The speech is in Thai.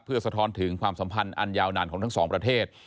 สะท้อนถึงความสัมพันธ์อันยาวนานของทั้งสองประเทศ